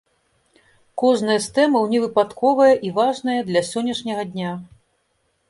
Кожная з тэмаў невыпадковая і важная для сённяшняй дня.